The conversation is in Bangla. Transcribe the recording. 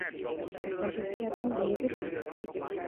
আপনাদের কি এখন দিয়ে দেব?